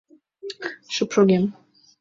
Шып шогем.